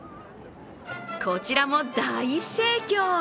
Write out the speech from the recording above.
こちらも大盛況。